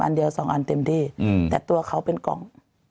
อันเดียวสองอันเต็มที่แต่ตัวเขาเป็นกล่อง